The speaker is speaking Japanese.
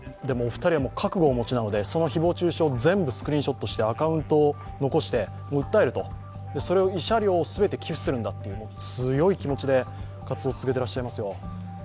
でも、お二人は覚悟を持ちなので、その誹謗中傷を全部スクリーンショットしてアカウントを残して訴えるとそれを慰謝料を全て寄付するんだという強い気持ちで活動を続けていらっしゃいますよ。